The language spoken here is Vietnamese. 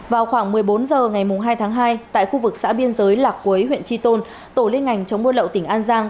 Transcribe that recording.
vào khoảng một mươi bốn h ngày hai tháng hai tại khu vực xã biên giới lạc quấy huyện tri tôn tổ liên ngành chống buôn lậu tỉnh an giang